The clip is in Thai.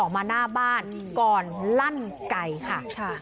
มาหน้าบ้านก่อนลั่นไก่ค่ะ